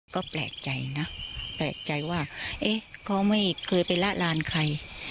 ก็แปลกใจนะแปลกใจว่าเอ๊ะเขาไม่เคยไปละลานใคร